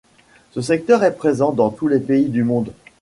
Ce secteur est présent dans tous les pays du monde.